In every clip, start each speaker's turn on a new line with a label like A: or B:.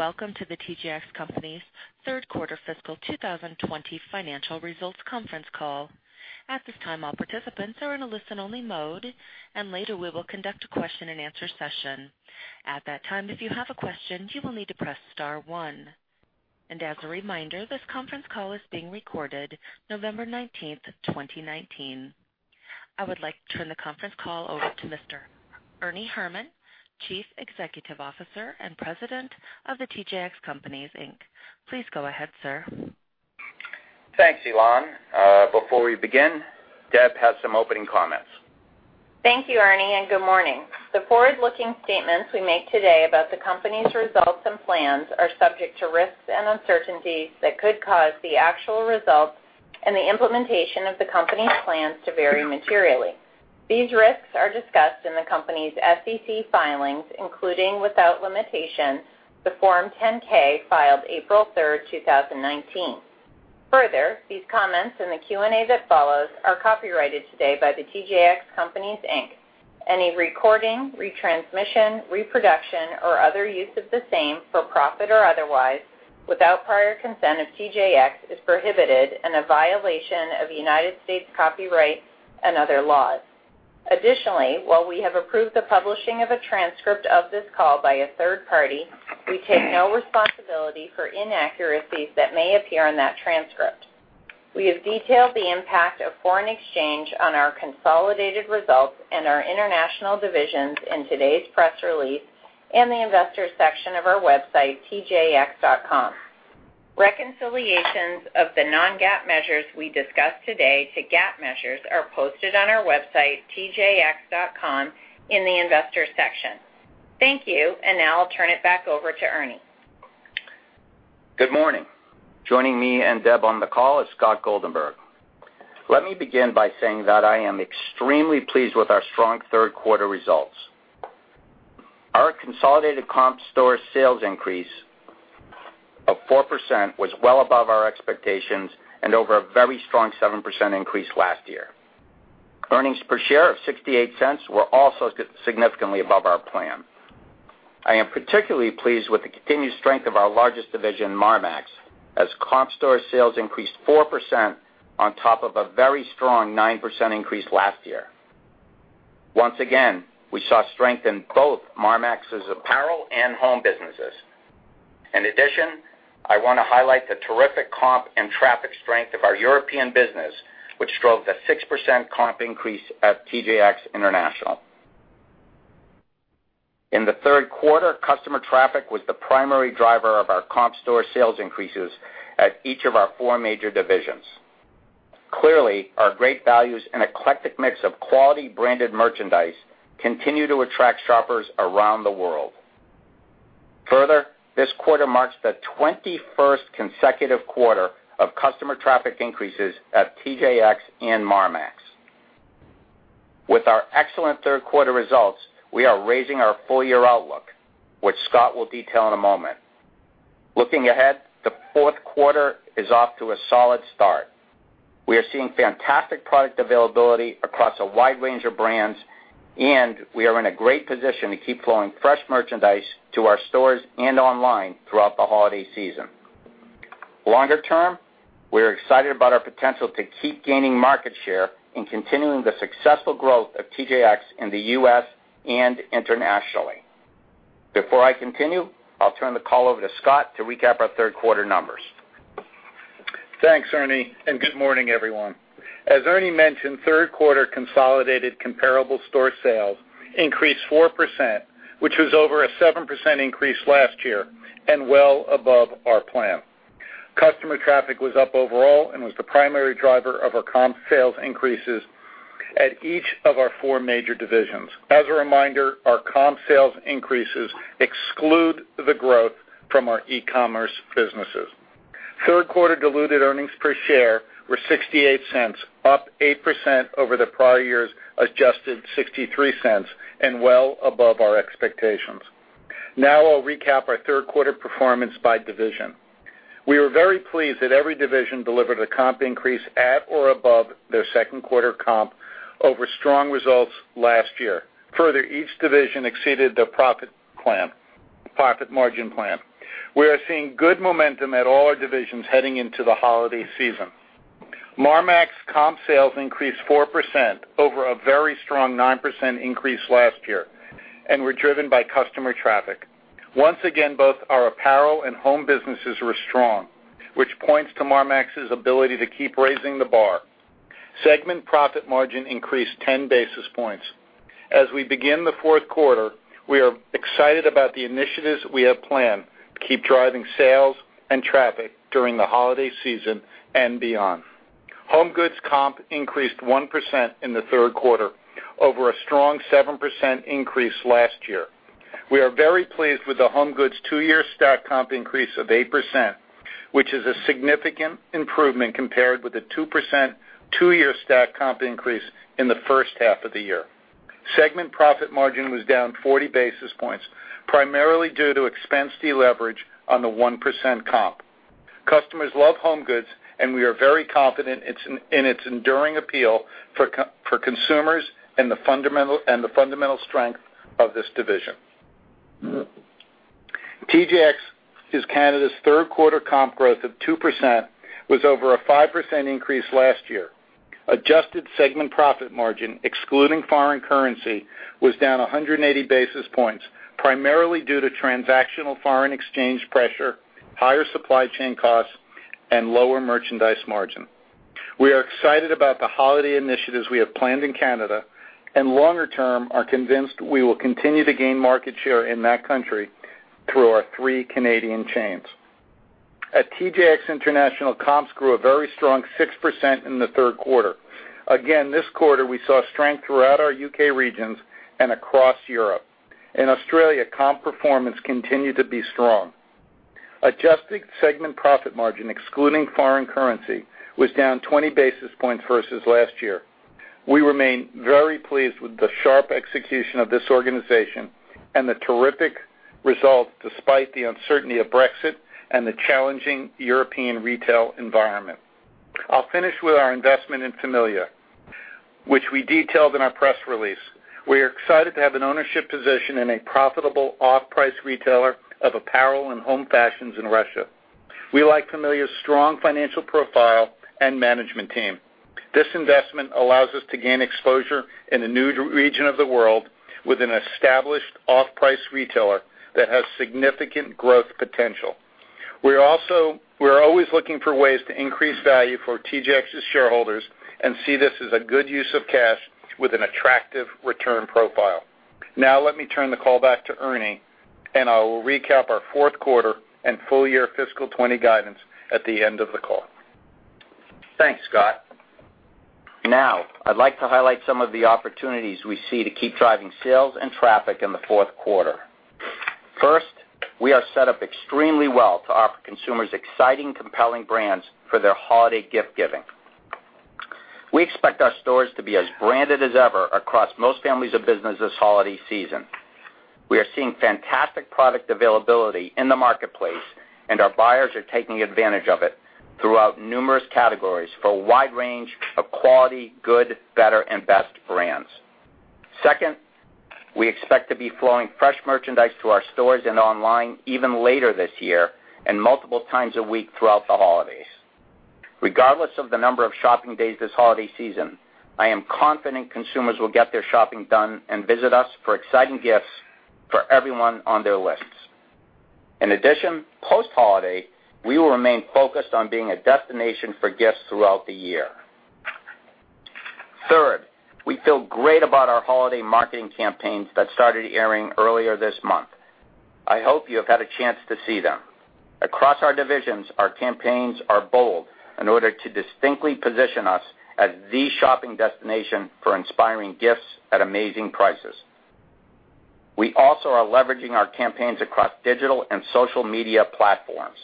A: Ladies and gentlemen, thank you for staying on the line. Welcome to the TJX Companies third quarter fiscal 2020 financial results conference call. At this time, all participants are in a listen-only mode, and later we will conduct a question-and-answer session. At that time, if you have a question, you will need to press star one. As a reminder, this conference call is being recorded November 19, 2019. I would like to turn the conference call over to Mr. Ernie Herrman, Chief Executive Officer and President of The TJX Companies, Inc. Please go ahead, sir.
B: Thanks, Elan. Before we begin, Deb has some opening comments.
C: Thank you, Ernie. Good morning. The forward-looking statements we make today about the company's results and plans are subject to risks and uncertainties that could cause the actual results and the implementation of the company's plans to vary materially. These risks are discussed in the company's SEC filings, including, without limitation, the Form 10-K filed April 3rd, 2019. Further, these comments and the Q&A that follows are copyrighted today by the TJX Companies, Inc. Any recording, retransmission, reproduction, or other use of the same, for profit or otherwise, without prior consent of TJX, is prohibited and a violation of United States copyright and other laws. Additionally, while we have approved the publishing of a transcript of this call by a third party, we take no responsibility for inaccuracies that may appear in that transcript. We have detailed the impact of foreign exchange on our consolidated results and our international divisions in today's press release in the investor section of our website, tjx.com. Reconciliations of the non-GAAP measures we discuss today to GAAP measures are posted on our website, tjx.com, in the investor section. Thank you, and now I'll turn it back over to Ernie.
B: Good morning. Joining me and Deb on the call is Scott Goldenberg. Let me begin by saying that I am extremely pleased with our strong third quarter results. Our consolidated comp store sales increase of 4% was well above our expectations and over a very strong 7% increase last year. Earnings per share of $0.68 were also significantly above our plan. I am particularly pleased with the continued strength of our largest division, Marmaxx, as comp store sales increased 4% on top of a very strong 9% increase last year. Once again, we saw strength in both Marmaxx's apparel and home businesses. In addition, I want to highlight the terrific comp and traffic strength of our European business, which drove the 6% comp increase at TJX International. In the third quarter, customer traffic was the primary driver of our comp store sales increases at each of our four major divisions. Clearly, our great values and eclectic mix of quality branded merchandise continue to attract shoppers around the world. Further, this quarter marks the 21st consecutive quarter of customer traffic increases at TJX and Marmaxx. With our excellent third quarter results, we are raising our full year outlook, which Scott will detail in a moment. Looking ahead, the fourth quarter is off to a solid start. We are seeing fantastic product availability across a wide range of brands, and we are in a great position to keep flowing fresh merchandise to our stores and online throughout the holiday season. Longer term, we are excited about our potential to keep gaining market share in continuing the successful growth of TJX in the U.S. and internationally. Before I continue, I'll turn the call over to Scott to recap our third quarter numbers.
D: Thanks, Ernie, good morning, everyone. As Ernie mentioned, third quarter consolidated comparable store sales increased 4%, which was over a 7% increase last year and well above our plan. Customer traffic was up overall and was the primary driver of our comp sales increases at each of our four major divisions. As a reminder, our comp sales increases exclude the growth from our e-commerce businesses. Third quarter diluted earnings per share were $0.68, up 8% over the prior year's adjusted $0.63, and well above our expectations. Now I'll recap our third quarter performance by division. We were very pleased that every division delivered a comp increase at or above their second quarter comp over strong results last year. Further, each division exceeded their profit margin plan. We are seeing good momentum at all our divisions heading into the holiday season. Marmaxx comp sales increased 4% over a very strong 9% increase last year and were driven by customer traffic. Once again, both our apparel and home businesses were strong, which points to Marmaxx's ability to keep raising the bar. Segment profit margin increased 10 basis points. As we begin the fourth quarter, we are excited about the initiatives we have planned to keep driving sales and traffic during the holiday season and beyond. HomeGoods comp increased 1% in the third quarter over a strong 7% increase last year. We are very pleased with the HomeGoods two-year stack comp increase of 8%, which is a significant improvement compared with the 2% two-year stack comp increase in the first half of the year. Segment profit margin was down 40 basis points, primarily due to expense deleverage on the 1% comp. Customers love HomeGoods, and we are very confident in its enduring appeal for consumers and the fundamental strength of this division. TJX Canada's third quarter comp growth of 2% was over a 5% increase last year. Adjusted segment profit margin, excluding foreign currency, was down 180 basis points, primarily due to transactional foreign exchange pressure, higher supply chain costs, and lower merchandise margin. We are excited about the holiday initiatives we have planned in Canada, and longer term, are convinced we will continue to gain market share in that country through our three Canadian chains. At TJX International comps grew a very strong 6% in the third quarter. Again, this quarter, we saw strength throughout our U.K. regions and across Europe. In Australia, comp performance continued to be strong. Adjusted segment profit margin, excluding foreign currency, was down 20 basis points versus last year. We remain very pleased with the sharp execution of this organization and the terrific results despite the uncertainty of Brexit and the challenging European retail environment. I'll finish with our investment in Familia, which we detailed in our press release. We are excited to have an ownership position in a profitable off-price retailer of apparel and home fashions in Russia. We like Familia's strong financial profile and management team. This investment allows us to gain exposure in a new region of the world with an established off-price retailer that has significant growth potential. We're always looking for ways to increase value for TJX's shareholders and see this as a good use of cash with an attractive return profile. Let me turn the call back to Ernie, and I will recap our fourth quarter and full year fiscal 2020 guidance at the end of the call.
B: Thanks, Scott. I'd like to highlight some of the opportunities we see to keep driving sales and traffic in the fourth quarter. We are set up extremely well to offer consumers exciting, compelling brands for their holiday gift-giving. We expect our stores to be as branded as ever across most families of business this holiday season. We are seeing fantastic product availability in the marketplace, our buyers are taking advantage of it throughout numerous categories for a wide range of quality good, better, and best brands. We expect to be flowing fresh merchandise to our stores and online even later this year and multiple times a week throughout the holidays. Regardless of the number of shopping days this holiday season, I am confident consumers will get their shopping done and visit us for exciting gifts for everyone on their lists. In addition, post-holiday, we will remain focused on being a destination for gifts throughout the year. Third, we feel great about our holiday marketing campaigns that started airing earlier this month. I hope you have had a chance to see them. Across our divisions, our campaigns are bold in order to distinctly position us as the shopping destination for inspiring gifts at amazing prices. We also are leveraging our campaigns across digital and social media platforms.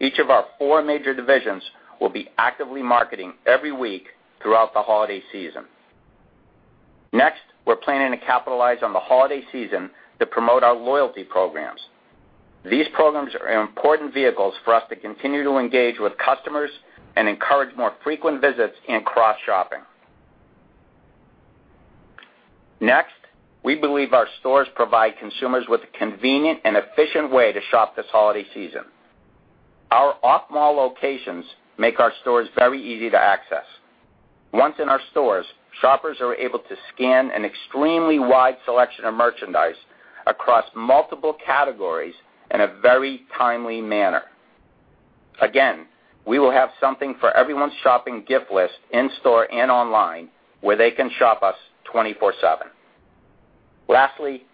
B: Each of our four major divisions will be actively marketing every week throughout the holiday season. We're planning to capitalize on the holiday season to promote our loyalty programs. These programs are important vehicles for us to continue to engage with customers and encourage more frequent visits and cross-shopping. Next, we believe our stores provide consumers with a convenient and efficient way to shop this holiday season. Our off-mall locations make our stores very easy to access. Once in our stores, shoppers are able to scan an extremely wide selection of merchandise across multiple categories in a very timely manner. Again, we will have something for everyone's shopping gift list in store and online, where they can shop us 24/7. Lastly,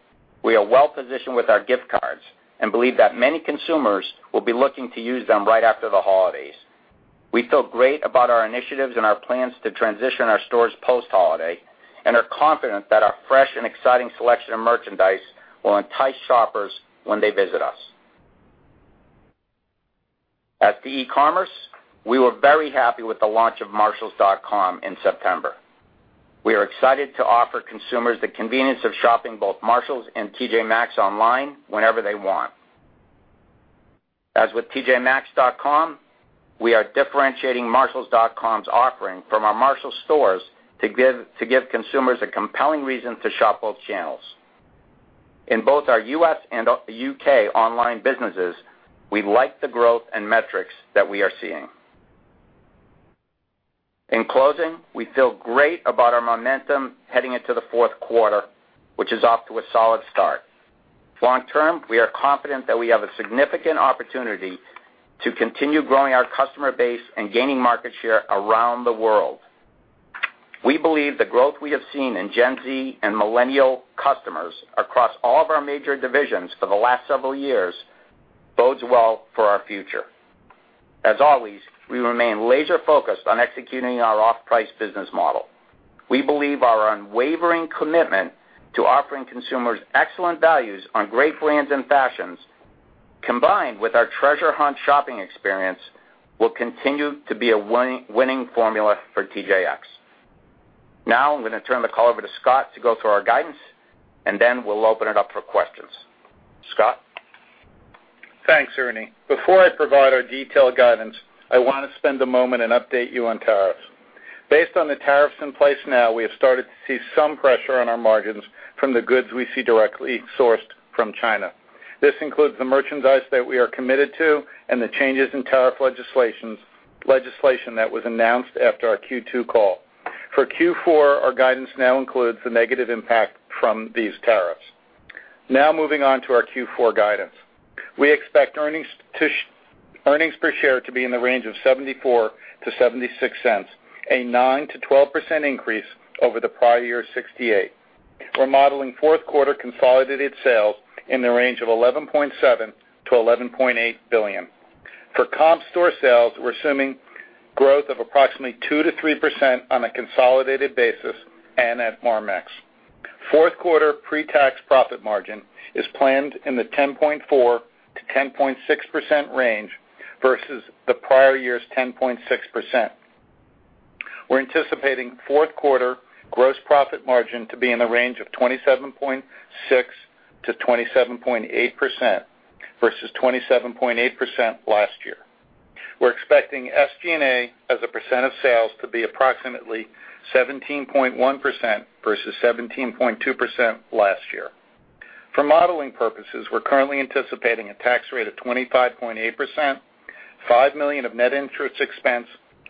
B: we are well-positioned with our gift cards and believe that many consumers will be looking to use them right after the holidays. We feel great about our initiatives and our plans to transition our stores post-holiday and are confident that our fresh and exciting selection of merchandise will entice shoppers when they visit us. As to e-commerce, we were very happy with the launch of marshalls.com in September. We are excited to offer consumers the convenience of shopping both Marshalls and TJ Maxx online whenever they want. As with tjmaxx.com, we are differentiating marshalls.com's offering from our Marshalls stores to give consumers a compelling reason to shop both channels. In both our U.S. and U.K. online businesses, we like the growth and metrics that we are seeing. In closing, we feel great about our momentum heading into the fourth quarter, which is off to a solid start. Long term, we are confident that we have a significant opportunity to continue growing our customer base and gaining market share around the world. We believe the growth we have seen in Gen Z and millennial customers across all of our major divisions for the last several years bodes well for our future. As always, we remain laser-focused on executing our off-price business model. We believe our unwavering commitment to offering consumers excellent values on great brands and fashions, combined with our treasure hunt shopping experience, will continue to be a winning formula for TJX. Now I'm going to turn the call over to Scott to go through our guidance, and then we'll open it up for questions. Scott?
D: Thanks, Ernie. Before I provide our detailed guidance, I want to spend a moment and update you on tariffs. Based on the tariffs in place now, we have started to see some pressure on our margins from the goods we see directly sourced from China. This includes the merchandise that we are committed to and the changes in tariff legislation that was announced after our Q2 call. For Q4, our guidance now includes the negative impact from these tariffs. Now moving on to our Q4 guidance. We expect earnings per share to be in the range of $0.74-$0.76, a 9%-12% increase over the prior year's $0.68. We're modeling fourth quarter consolidated sales in the range of $11.7 billion-$11.8 billion. For comp store sales, we're assuming growth of approximately 2%-3% on a consolidated basis and at Marmaxx. Fourth quarter pre-tax profit margin is planned in the 10.4%-10.6% range versus the prior year's 10.6%. We're anticipating fourth quarter gross profit margin to be in the range of 27.6%-27.8%, versus 27.8% last year. We're expecting SG&A as a percentage of sales to be approximately 17.1% versus 17.2% last year. For modeling purposes, we're currently anticipating a tax rate of 25.8%, $5 million of net interest expense,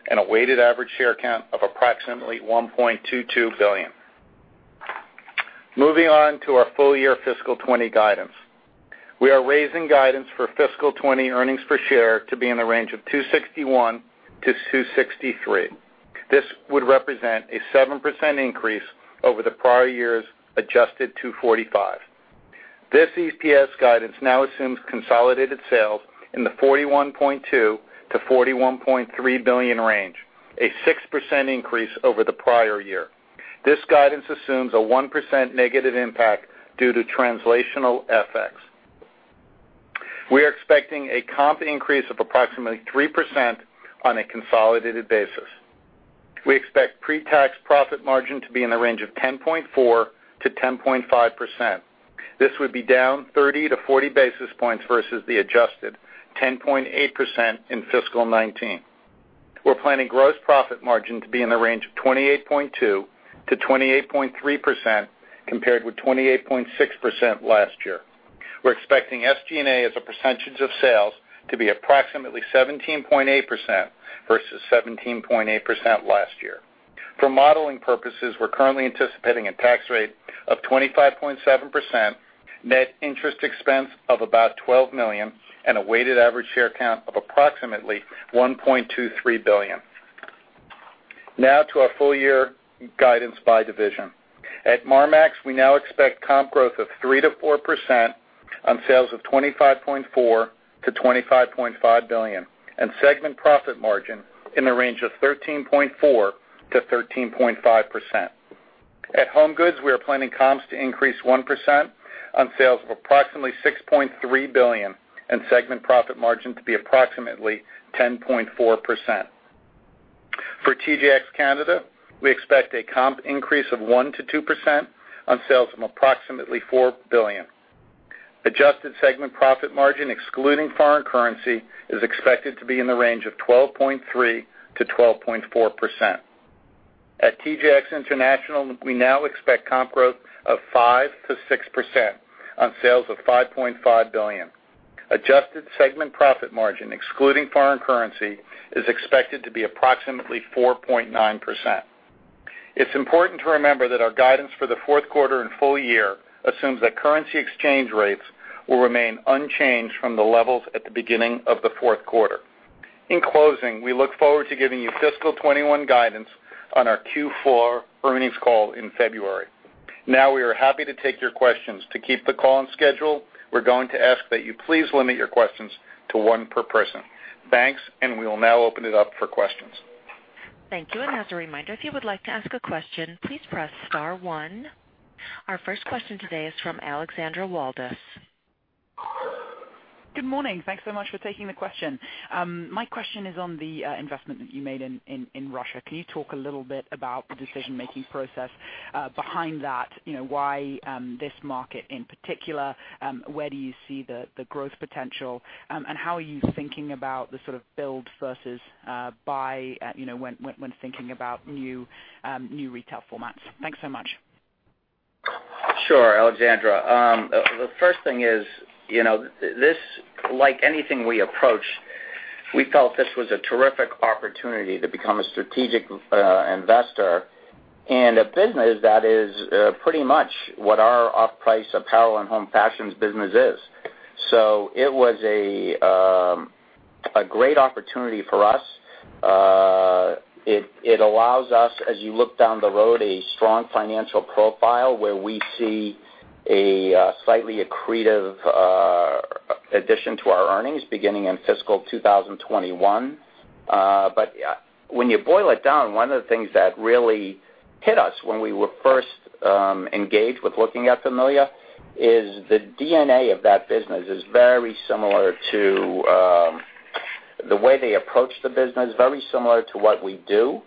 D: and a weighted average share count of approximately 1.22 billion. Moving on to our full-year fiscal 2020 guidance. We are raising guidance for fiscal 2020 earnings per share to be in the range of $2.61-$2.63. This would represent a 7% increase over the prior year's adjusted $2.45. This EPS guidance now assumes consolidated sales in the $41.2 billion-$41.3 billion range, a 6% increase over the prior year. This guidance assumes a 1% negative impact due to translational FX. We are expecting a comp increase of approximately 3% on a consolidated basis. We expect pre-tax profit margin to be in the range of 10.4%-10.5%. This would be down 30 basis points-40 basis points versus the adjusted 10.8% in fiscal 2019. We're planning gross profit margin to be in the range of 28.2%-28.3%, compared with 28.6% last year. We're expecting SG&A as a percentage of sales to be approximately 17.8% versus 17.8% last year. For modeling purposes, we're currently anticipating a tax rate of 25.7%, net interest expense of about $12 million, and a weighted average share count of approximately 1.23 billion. Now to our full-year guidance by division. At Marmaxx, we now expect comp growth of 3%-4% on sales of $25.4 billion-$25.5 billion, and segment profit margin in the range of 13.4%-13.5%. At HomeGoods, we are planning comps to increase 1% on sales of approximately $6.3 billion and segment profit margin to be approximately 10.4%. For TJX Canada, we expect a comp increase of 1%-2% on sales of approximately $4 billion. Adjusted segment profit margin, excluding foreign currency, is expected to be in the range of 12.3%-12.4%. At TJX International, we now expect comp growth of 5%-6% on sales of $5.5 billion. Adjusted segment profit margin, excluding foreign currency, is expected to be approximately 4.9%. It's important to remember that our guidance for the fourth quarter and full year assumes that currency exchange rates will remain unchanged from the levels at the beginning of the fourth quarter. In closing, we look forward to giving you fiscal 2021 guidance on our Q4 earnings call in February. We are happy to take your questions. To keep the call on schedule, we're going to ask that you please limit your questions to one per person. Thanks, we will now open it up for questions.
A: Thank you. As a reminder, if you would like to ask a question, please press star one. Our first question today is from Alexandra Walvis.
E: Good morning. Thanks so much for taking the question. My question is on the investment that you made in Russia. Can you talk a little bit about the decision-making process behind that? Why this market in particular? Where do you see the growth potential? How are you thinking about the sort of build versus buy when thinking about new retail formats? Thanks so much.
B: Sure, Alexandra. The first thing is, this, like anything we approach, we felt this was a terrific opportunity to become a strategic investor and a business that is pretty much what our off-price apparel and home fashions business is. It was a great opportunity for us. It allows us, as you look down the road, a strong financial profile where we see a slightly accretive addition to our earnings beginning in fiscal 2021. When you boil it down, one of the things that really hit us when we were first engaged with looking at Familia is the DNA of that business is very similar to. The way they approach the business, very similar to what we do.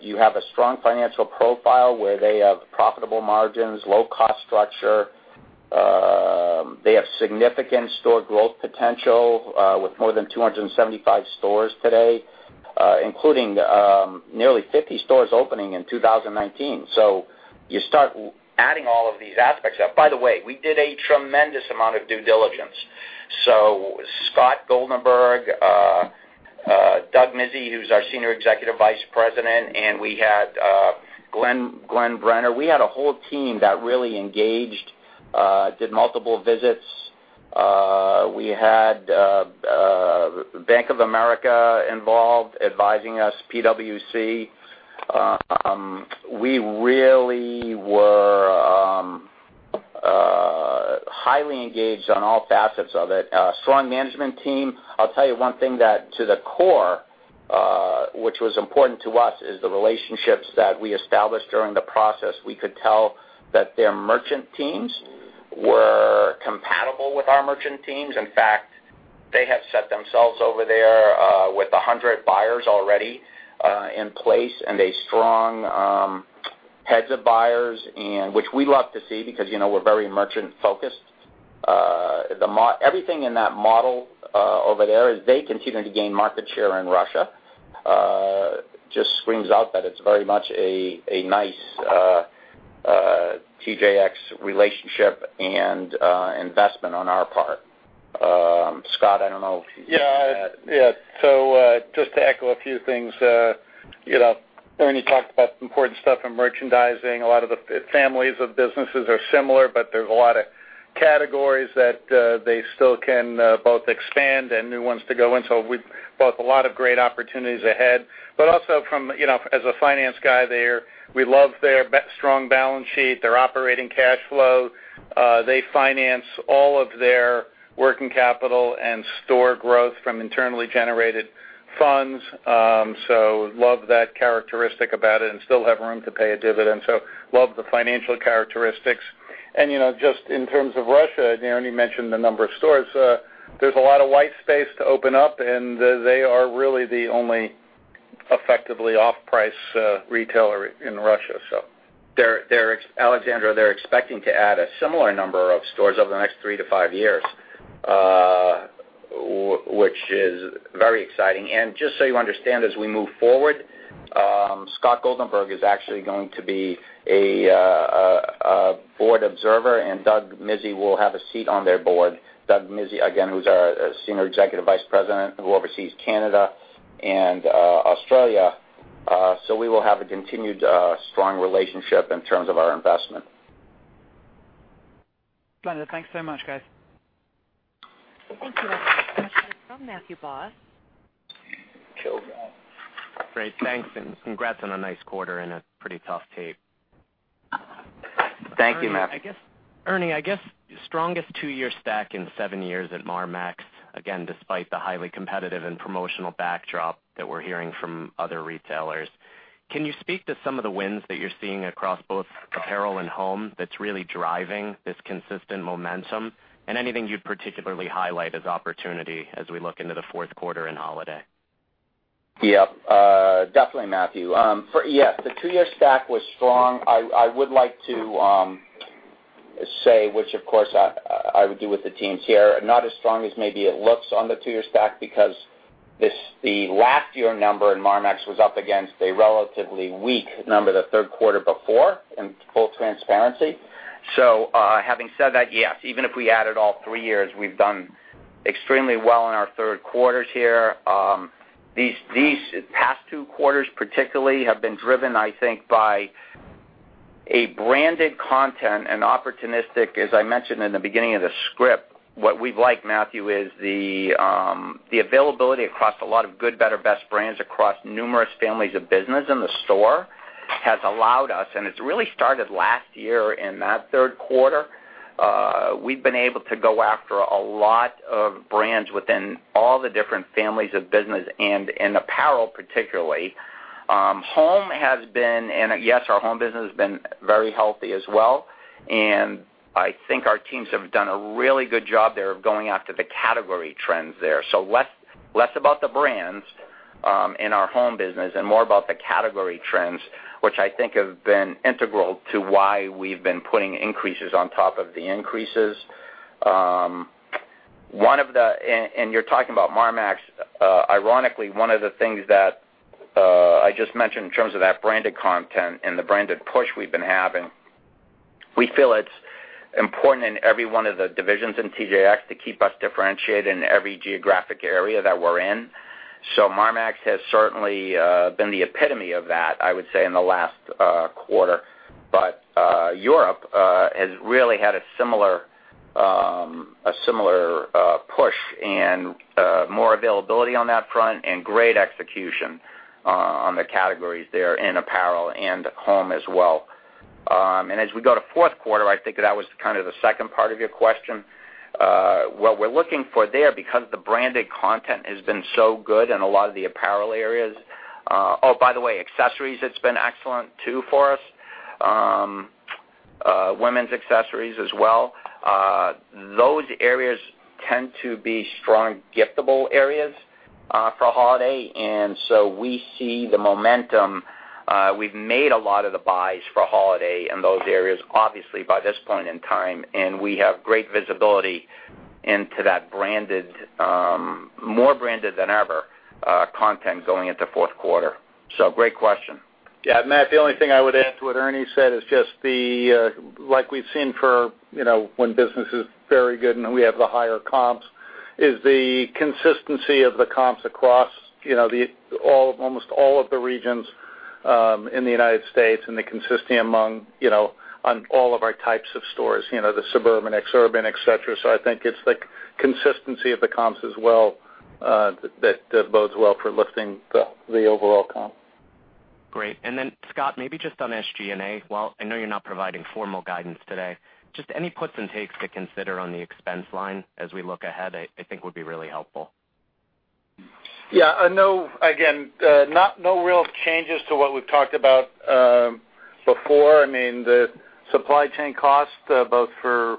B: You have a strong financial profile where they have profitable margins, low-cost structure. They have significant store growth potential with more than 275 stores today, including nearly 50 stores opening in 2019. You start adding all of these aspects up. By the way, we did a tremendous amount of due diligence. Scott Goldenberg, Doug Mizzi, who's our Senior Executive Vice President, and we had Glen Brenner. We had a whole team that really engaged, did multiple visits. We had Bank of America involved advising us, PwC. We really were highly engaged on all facets of it. A strong management team. I'll tell you one thing that to the core, which was important to us, is the relationships that we established during the process. We could tell that their merchant teams were compatible with our merchant teams. In fact, they have set themselves over there, with 100 buyers already in place and a strong heads of buyers, and which we love to see because we're very merchant focused. Everything in that model over there as they continue to gain market share in Russia, just screams out that it's very much a nice TJX relationship and investment on our part. Scott, I don't know if you.
D: Yeah. Just to echo a few things. Ernie talked about important stuff in merchandising. A lot of the families of businesses are similar, but there's a lot of categories that they still can both expand and new ones to go in. Both a lot of great opportunities ahead. Also as a finance guy there, we love their strong balance sheet, their operating cash flow. They finance all of their working capital and store growth from internally generated funds. Love that characteristic about it and still have room to pay a dividend. Love the financial characteristics. Just in terms of Russia, Ernie mentioned the number of stores. There's a lot of white space to open up, and they are really the only effectively off-price retailer in Russia.
B: Alexandra, they're expecting to add a similar number of stores over the next three to five years, which is very exciting. Just so you understand, as we move forward, Scott Goldenberg is actually going to be a board observer, and Doug Mizzi will have a seat on their board. Doug Mizzi, again, who's our Senior Executive Vice President who oversees Canada and Australia. We will have a continued strong relationship in terms of our investment.
F: Splendid. Thanks so much, guys.
A: Thank you. The next question is from Matthew Boss.
G: Great. Thanks, and congrats on a nice quarter and a pretty tough tape.
B: Thank you, Matthew.
G: Ernie, I guess, strongest two-year stack in seven years at Marmaxx, again, despite the highly competitive and promotional backdrop that we're hearing from other retailers. Can you speak to some of the wins that you're seeing across both apparel and home that's really driving this consistent momentum, and anything you'd particularly highlight as opportunity as we look into the fourth quarter and holiday?
B: Definitely, Matthew. The two-year stack was strong. I would like to say, which of course I would do with the teams here, not as strong as maybe it looks on the two-year stack because the last year number in Marmaxx was up against a relatively weak number the third quarter before, in full transparency. Having said that, yes, even if we added all three years, we've done extremely well in our third quarters here. These past two quarters particularly have been driven, I think, by a branded content and opportunistic, as I mentioned in the beginning of the script. What we'd like, Matthew, is the availability across a lot of good, better, best brands across numerous families of business in the store has allowed us, and it's really started last year in that third quarter. We've been able to go after a lot of brands within all the different families of business and in apparel particularly. Home has been, and yes, our home business has been very healthy as well. I think our teams have done a really good job there of going after the category trends there. Less about the brands in our home business and more about the category trends, which I think have been integral to why we've been putting increases on top of the increases. You're talking about Marmaxx. Ironically, one of the things that I just mentioned in terms of that branded content and the branded push we've been having, we feel it's important in every one of the divisions in TJX to keep us differentiated in every geographic area that we're in. Marmaxx has certainly been the epitome of that, I would say, in the last quarter. Europe has really had a similar push and more availability on that front and great execution on the categories there in apparel and home as well. As we go to fourth quarter, I think that was kind of the second part of your question. What we're looking for there, because the branded content has been so good in a lot of the apparel areas. Oh, by the way, accessories, it's been excellent too for us. Women's accessories as well. Those areas tend to be strong giftable areas for holiday. We see the momentum. We've made a lot of the buys for holiday in those areas, obviously, by this point in time, and we have great visibility into that more branded than ever content going into fourth quarter. Great question.
D: Yeah, Matt, the only thing I would add to what Ernie said is just like we've seen for when business is very good and we have the higher comps, is the consistency of the comps across almost all of the regions in the United States and the consistency among all of our types of stores, the suburban, exurban, et cetera. I think it's the consistency of the comps as well that bodes well for lifting the overall comp.
G: Great. Scott, maybe just on SG&A. While I know you're not providing formal guidance today, just any puts and takes to consider on the expense line as we look ahead, I think would be really helpful.
D: Yeah. Again, no real changes to what we've talked about before. I mean, the supply chain cost both for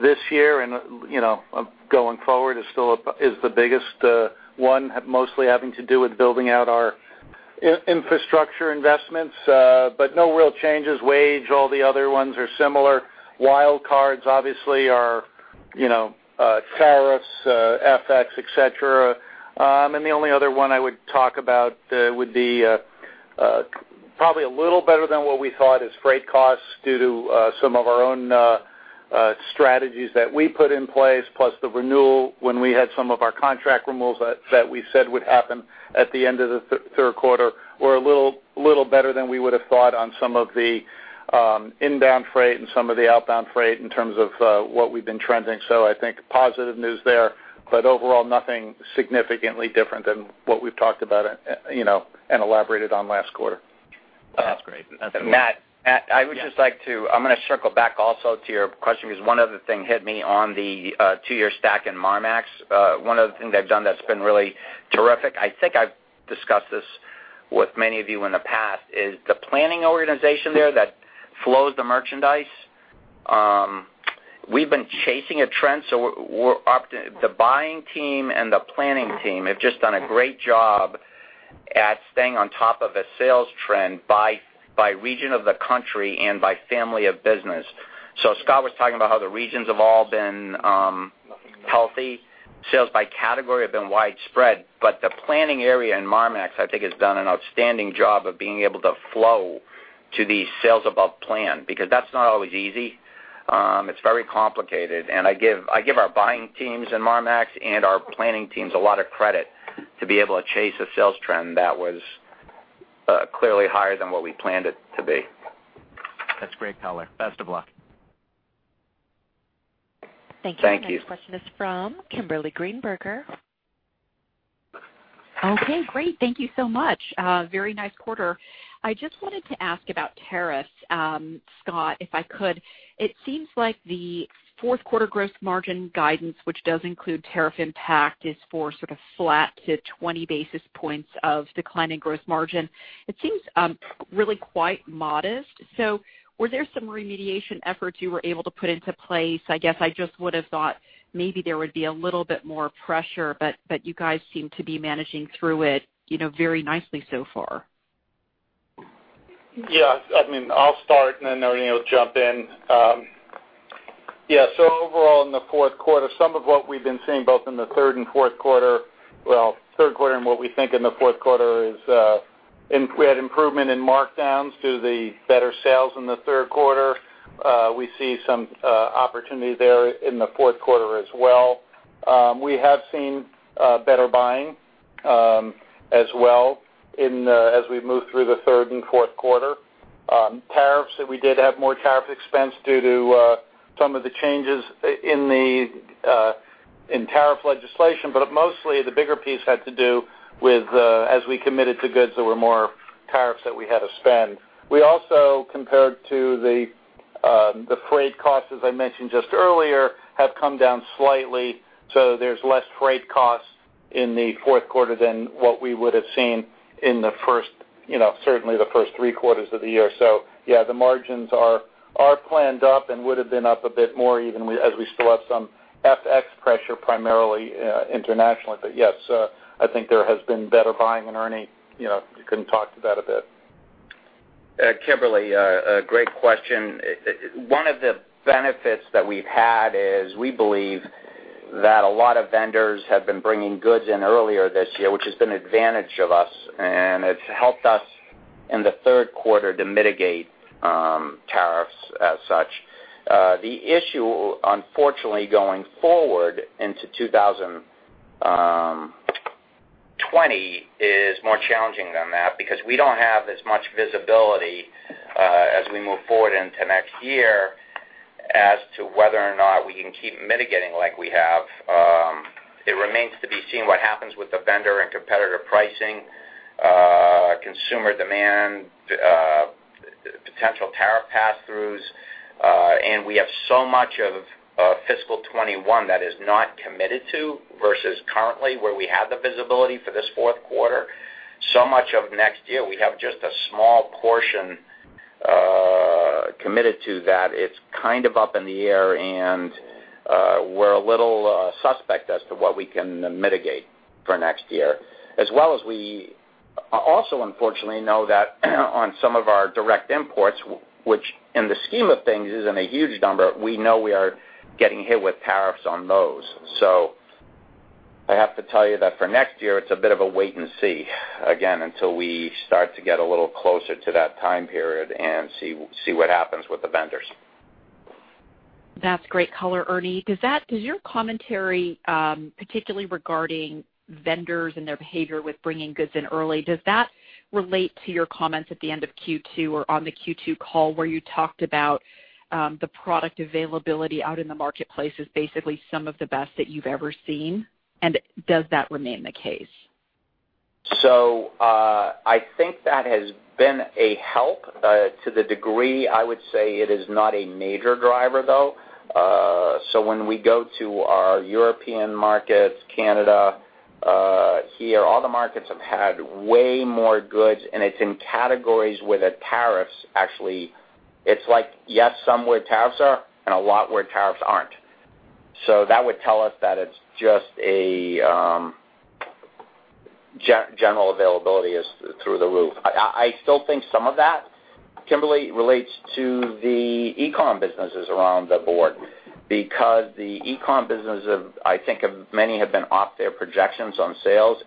D: this year and going forward is the biggest one, mostly having to do with building out our infrastructure investments. No real changes. Wage, all the other ones are similar. Wild cards obviously are tariffs, FX, et cetera. The only other one I would talk about would be probably a little better than what we thought is freight costs due to some of our own strategies that we put in place, plus the renewal when we had some of our contract renewals that we said would happen at the end of the third quarter. We're a little better than we would have thought on some of the inbound freight and some of the outbound freight in terms of what we've been trending. I think positive news there, but overall nothing significantly different than what we've talked about and elaborated on last quarter.
G: That's great.
B: Matt, I'm going to circle back also to your question because one other thing hit me on the two-year stack in Marmaxx. One other thing they've done that's been really terrific, I think I've discussed this with many of you in the past, is the planning organization there that flows the merchandise. We've been chasing a trend. The buying team and the planning team have just done a great job at staying on top of a sales trend by region of the country and by family of business. Scott was talking about how the regions have all been healthy. Sales by category have been widespread. The planning area in Marmaxx, I think, has done an outstanding job of being able to flow to the sales above plan, because that's not always easy. It's very complicated. I give our buying teams in Marmaxx and our planning teams a lot of credit to be able to chase a sales trend that was clearly higher than what we planned it to be.
G: That's great color. Best of luck.
B: Thank you.
A: Thank you. Next question is from Kimberly Greenberger.
H: Okay, great. Thank you so much. Very nice quarter. I just wanted to ask about tariffs, Scott, if I could. It seems like the fourth quarter gross margin guidance, which does include tariff impact, is for sort of flat to 20 basis points of decline in gross margin. It seems really quite modest. Were there some remediation efforts you were able to put into place? I guess I just would have thought maybe there would be a little bit more pressure, but you guys seem to be managing through it very nicely so far.
D: I mean, I'll start and then Ernie will jump in. Overall in the fourth quarter, some of what we've been seeing both in the third and fourth quarter, well, third quarter and what we think in the fourth quarter is we had improvement in markdowns due to the better sales in the third quarter. We see some opportunity there in the fourth quarter as well. We have seen better buying as well as we move through the third and fourth quarter. Tariffs, we did have more tariff expense due to some of the changes in tariff legislation, but mostly the bigger piece had to do with as we committed to goods, there were more tariffs that we had to spend. We also, compared to the freight costs, as I mentioned just earlier, have come down slightly. There's less freight costs in the fourth quarter than what we would have seen in the first, certainly the first three quarters of the year. Yeah, the margins are planned up and would have been up a bit more even as we still have some FX pressure, primarily internationally. Yes, I think there has been better buying. Ernie, you can talk to that a bit.
B: Kimberly, a great question. One of the benefits that we've had is we believe that a lot of vendors have been bringing goods in earlier this year, which has been advantage of us, and it's helped us in the third quarter to mitigate tariffs as such. The issue, unfortunately, going forward into 2020 is more challenging than that because we don't have as much visibility as we move forward into next year as to whether or not we can keep mitigating like we have. It remains to be seen what happens with the vendor and competitor pricing, consumer demand, potential tariff pass-throughs. We have so much of fiscal 2021 that is not committed to versus currently where we have the visibility for this fourth quarter. So much of next year, we have just a small portion committed to that. It's kind of up in the air, and we're a little suspect as to what we can mitigate for next year. As well as we also unfortunately know that on some of our direct imports, which in the scheme of things isn't a huge number, we know we are getting hit with tariffs on those. I have to tell you that for next year, it's a bit of a wait and see, again, until we start to get a little closer to that time period and see what happens with the vendors.
H: That's great color, Ernie. Does your commentary, particularly regarding vendors and their behavior with bringing goods in early, does that relate to your comments at the end of Q2 or on the Q2 call where you talked about the product availability out in the marketplace as basically some of the best that you've ever seen? Does that remain the case?
B: I think that has been a help to the degree I would say it is not a major driver, though. When we go to our European markets, Canada, here, all the markets have had way more goods, and it's in categories where, it's like, yes, some where tariffs are and a lot where tariffs aren't. That would tell us that it's just a general availability is through the roof. I still think some of that, Kimberly, relates to the e-com businesses around the board because the e-com business of, I think, many have been off their projections on sales,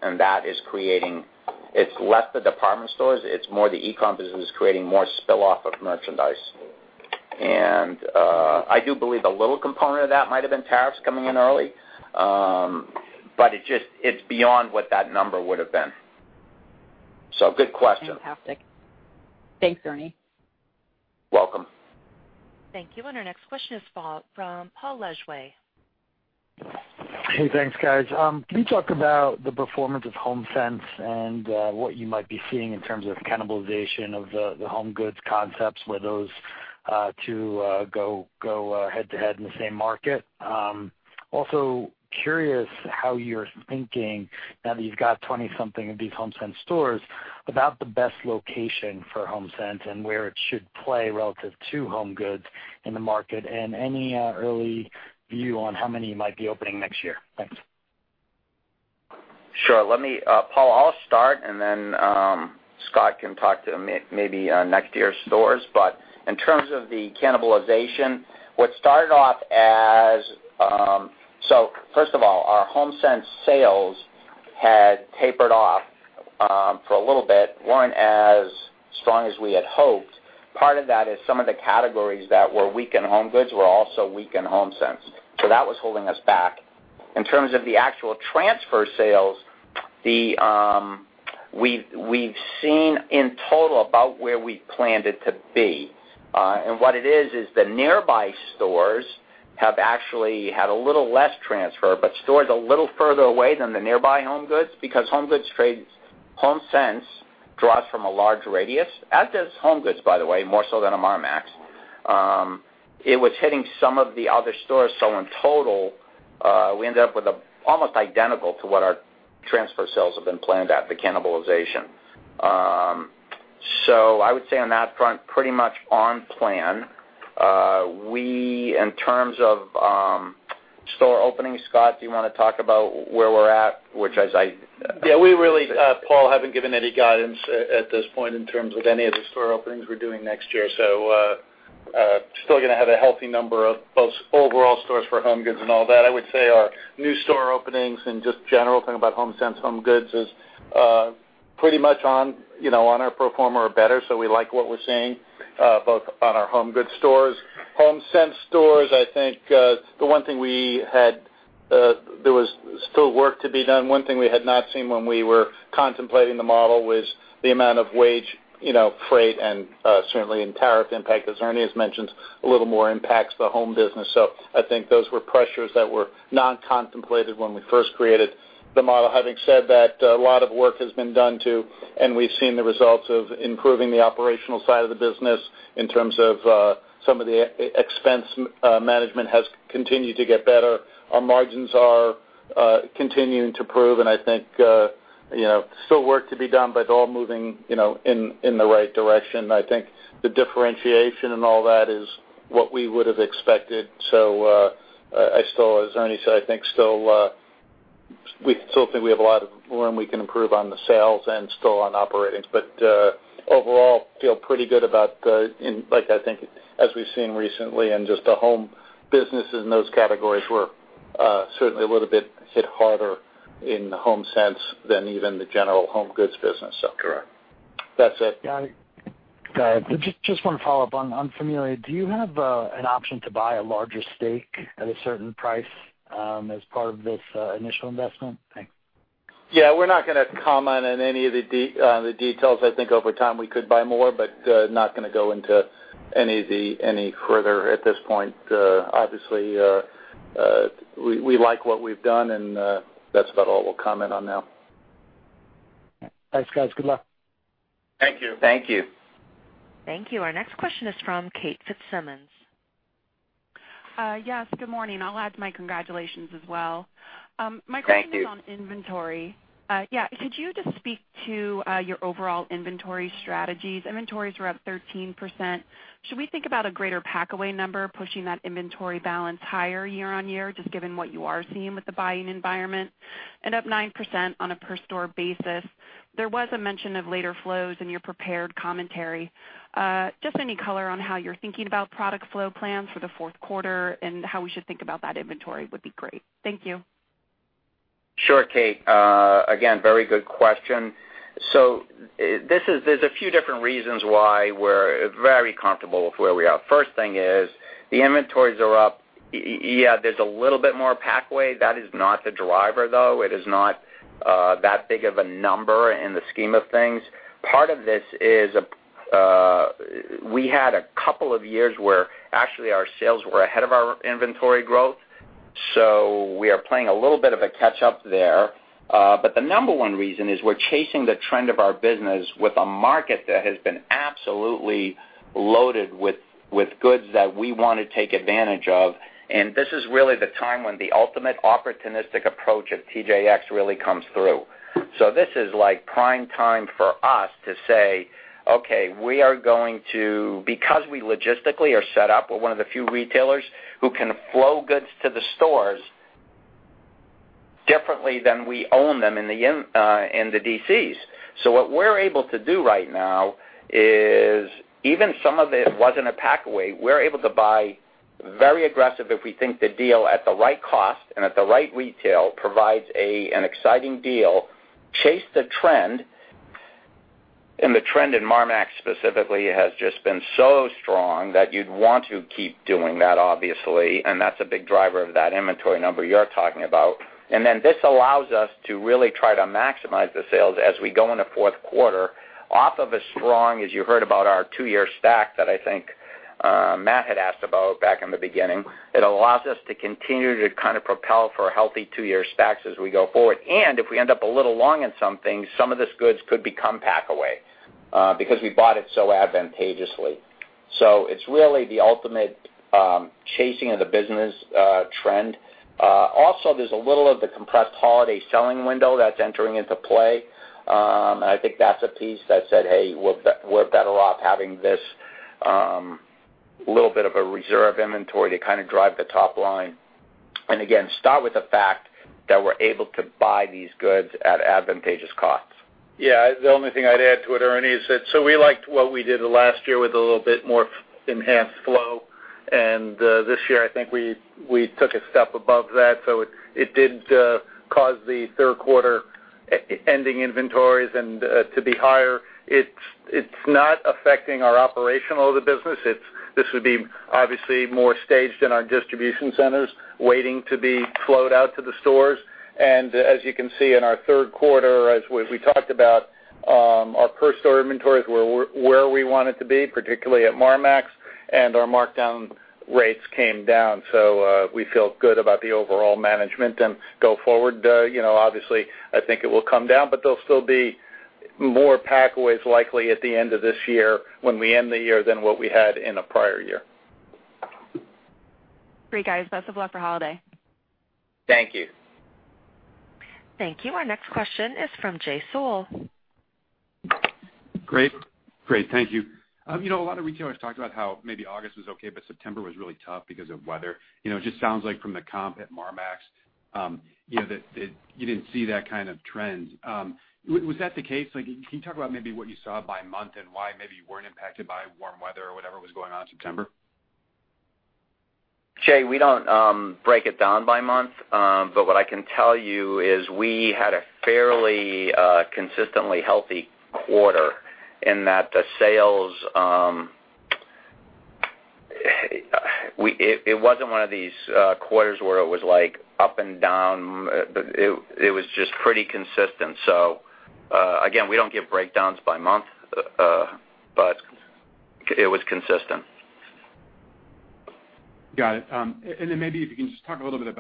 B: it's less the department stores, it's more the e-com business creating more spill off of merchandise. I do believe a little component of that might have been tariffs coming in early. It's beyond what that number would've been. Good question.
H: Fantastic. Thanks, Ernie.
B: Welcome.
A: Thank you. Our next question is from Paul Lejuez.
I: Hey, thanks, guys. Can you talk about the performance of Homesense and what you might be seeing in terms of cannibalization of the HomeGoods concepts, where those two go head-to-head in the same market. Also curious how you're thinking now that you've got 20-something of these Homesense stores about the best location for Homesense and where it should play relative to HomeGoods in the market, and any early view on how many might be opening next year. Thanks.
B: Sure. Paul, I'll start, and then Scott can talk to maybe next year's stores. In terms of the cannibalization, first of all, our Homesense sales had tapered off for a little bit, weren't as strong as we had hoped. Part of that is some of the categories that were weak in HomeGoods were also weak in Homesense. That was holding us back. In terms of the actual transfer sales, we've seen in total about where we planned it to be. What it is the nearby stores have actually had a little less transfer, but stores a little further away than the nearby HomeGoods, because Homesense draws from a large radius, as does HomeGoods, by the way, more so than a Marmaxx. It was hitting some of the other stores. In total, we ended up with almost identical to what our transfer sales have been planned at the cannibalization. I would say on that front, pretty much on plan. We, in terms of store openings, Scott, do you wanna talk about where we're at?
D: Yeah, we really, Paul, haven't given any guidance at this point in terms of any of the store openings we're doing next year. Still gonna have a healthy number of both overall stores for HomeGoods and all that. I would say our new store openings and just general thing about Homesense, HomeGoods is pretty much on our pro forma or better, we like what we're seeing both on our HomeGoods stores. Homesense stores, I think there was still work to be done. One thing we had not seen when we were contemplating the model was the amount of wage, freight, and certainly in tariff impact, as Ernie has mentioned, a little more impacts the home business. I think those were pressures that were non-contemplated when we first created the model. Having said that, a lot of work has been done to, and we've seen the results of improving the operational side of the business in terms of some of the expense management has continued to get better. Our margins are continuing to prove and I think still work to be done, but it's all moving in the right direction. I think the differentiation and all that is what we would have expected. As Ernie said, I think we still think we have a lot of room we can improve on the sales and still on operating. Overall, feel pretty good about, I think as we've seen recently and just the home businesses in those categories were certainly a little bit hit harder in Homesense than even the general HomeGoods business.
B: Correct.
D: That's it.
I: Got it. Just want to follow up on Familia. Do you have an option to buy a larger stake at a certain price as part of this initial investment? Thanks.
D: Yeah, we're not gonna comment on any of the details. I think over time we could buy more, but not gonna go into any further at this point. Obviously, we like what we've done, and that's about all we'll comment on now.
I: Thanks, guys. Good luck.
D: Thank you.
B: Thank you.
A: Thank you. Our next question is from Kate Fitzsimons.
J: Yes, good morning. I'll add my congratulations as well.
B: Thank you.
J: My question is on inventory. Yeah. Could you just speak to your overall inventory strategies? Inventories were up 13%. Should we think about a greater pack-away number pushing that inventory balance higher year-over-year, just given what you are seeing with the buying environment and up 9% on a per store basis. There was a mention of later flows in your prepared commentary. Just any color on how you're thinking about product flow plans for the fourth quarter and how we should think about that inventory would be great. Thank you.
B: Sure, Kate. Very good question. There's a few different reasons why we're very comfortable with where we are. First thing is the inventories are up. Yeah, there's a little bit more pack-away. That is not the driver, though. It is not that big of a number in the scheme of things. Part of this is, we had a couple of years where actually our sales were ahead of our inventory growth. We are playing a little bit of a catch up there. The number one reason is we're chasing the trend of our business with a market that has been absolutely loaded with goods that we want to take advantage of. This is really the time when the ultimate opportunistic approach at TJX really comes through. This is like prime time for us to say, "Okay, we are going to Because we logistically are set up, we're one of the few retailers who can flow goods to the stores differently than we own them in the DCs." What we're able to do right now is even some of it wasn't a pack-away. We're able to buy very aggressive if we think the deal at the right cost and at the right retail provides an exciting deal, chase the trend. The trend in Marmaxx specifically has just been so strong that you'd want to keep doing that, obviously, and that's a big driver of that inventory number you're talking about. This allows us to really try to maximize the sales as we go into fourth quarter off of a strong, as you heard about our two-year stack that I think Matt had asked about back in the beginning. It allows us to continue to propel for a healthy two-year stacks as we go forward. If we end up a little long in some things, some of these goods could become pack-away because we bought it so advantageously. It's really the ultimate chasing of the business trend. Also, there's a little of the compressed holiday selling window that's entering into play. I think that's a piece that said, "Hey, we're better off having this little bit of a reserve inventory to kind of drive the top line." Again, start with the fact that we're able to buy these goods at advantageous costs.
D: Yeah. The only thing I'd add to it, Ernie, is that so we liked what we did last year with a little bit more enhanced flow. This year, I think we took a step above that. It did cause the third quarter ending inventories and to be higher. It's not affecting our operational of the business. This would be obviously more staged in our distribution centers, waiting to be flowed out to the stores. As you can see in our third quarter, as we talked about, our per store inventories were where we wanted to be, particularly at Marmaxx, and our markdown rates came down. We feel good about the overall management and go forward. Obviously, I think it will come down, but there'll still be more pack-aways likely at the end of this year when we end the year than what we had in the prior year.
J: Great, guys. Best of luck for holiday.
B: Thank you.
A: Thank you. Our next question is from Jay Sole.
K: Great. Thank you. A lot of retailers talked about how maybe August was okay, but September was really tough because of weather. It just sounds like from the comp at Marmaxx, that you didn't see that kind of trend. Was that the case? Can you talk about maybe what you saw by month and why maybe you weren't impacted by warm weather or whatever was going on in September?
B: Jay, we don't break it down by month. What I can tell you is we had a fairly consistently healthy quarter. It wasn't one of these quarters where it was up and down. It was just pretty consistent. Again, we don't give breakdowns by month, but it was consistent.
K: Got it. Maybe if you can just talk a little bit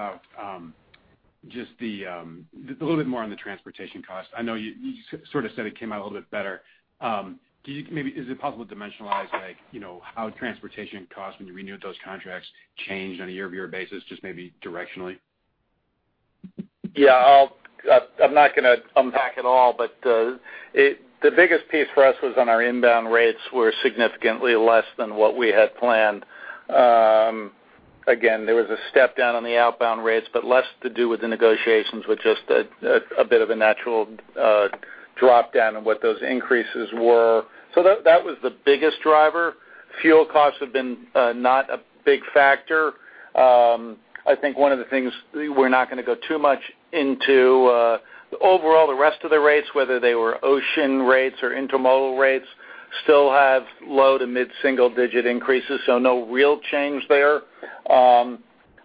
K: more on the transportation cost. I know you sort of said it came out a little bit better. Is it possible to dimensionalize how transportation cost when you renewed those contracts changed on a year-over-year basis, just maybe directionally?
D: Yeah. I'm not gonna unpack it all, the biggest piece for us was on our inbound rates were significantly less than what we had planned. Again, there was a step down on the outbound rates, but less to do with the negotiations, with just a bit of a natural drop down on what those increases were. That was the biggest driver. Fuel costs have been not a big factor. I think one of the things we're not gonna go too much into, overall the rest of the rates, whether they were ocean rates or intermodal rates, still have low to mid-single digit increases, so no real change there.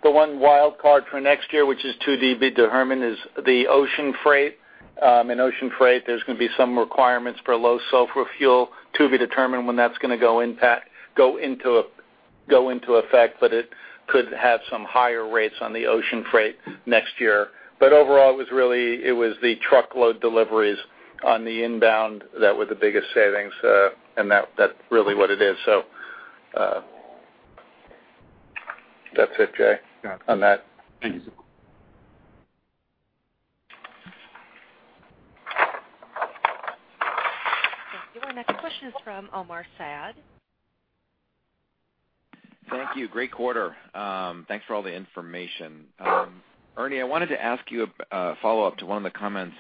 D: The one wild card for next year, which is to be determined, is the ocean freight. In ocean freight, there's going to be some requirements for low sulfur fuel to be determined when that's gonna go into effect, but it could have some higher rates on the ocean freight next year. Overall, it was the truckload deliveries on the inbound that were the biggest savings, and that's really what it is. That's it, Jay, on that.
B: Thank you.
A: Thank you. Our next question is from Omar Saad.
L: Thank you. Great quarter. Thanks for all the information. Ernie, I wanted to ask you a follow-up to one of the comments